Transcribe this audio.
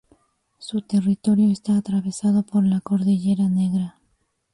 Su territorio está atravesado por la Cordillera Negra.